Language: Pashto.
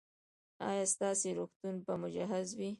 ایا ستاسو روغتون به مجهز وي؟